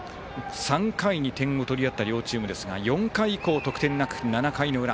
３回に点を取り合った両チームですが４回以降、得点なく７回の裏。